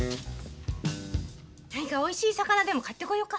何かおいしい魚でも買ってこよか。